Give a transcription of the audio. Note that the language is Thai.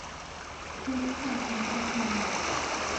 คริสต์ศาสนิกชน